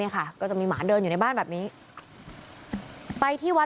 ก็จะมีหมาเดินอยู่ในบ้านแบบนี้